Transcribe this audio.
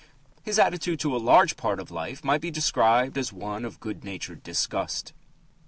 His attitude to a large part of life might be described as one of good natured disgust.